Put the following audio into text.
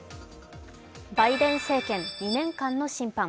バイデン政権、２年間の審判。